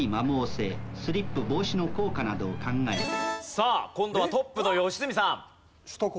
さあ今度はトップの良純さん。